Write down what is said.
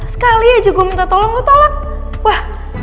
sekali aja gue minta tolong gue tolak wah